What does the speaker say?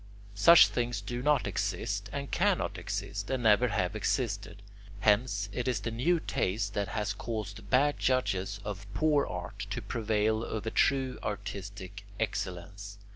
Such things do not exist and cannot exist and never have existed. Hence, it is the new taste that has caused bad judges of poor art to prevail over true artistic excellence.